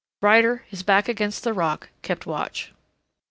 Ryder, his back against the rock, kept watch.